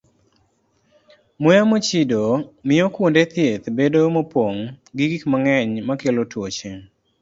Muya mochido miyo kuonde thieth bedo mopong' gi gik mang'eny makelo tuoche.